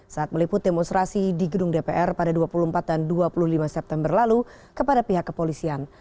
saat meliput demonstrasi di gedung dpr pada dua puluh empat dan dua puluh lima september lalu kepada pihak kepolisian